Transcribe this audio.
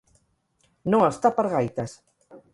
No estar per gaites.